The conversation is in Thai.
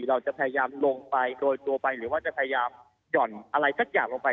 เราจะพยายามลงไปโรยตัวไปหรือว่าจะพยายามหย่อนอะไรสักอย่างลงไป